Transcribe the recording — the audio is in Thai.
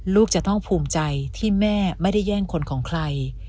ลูกจะต้องภูมิใจที่แม่ไม่ได้แย่งคนของใคร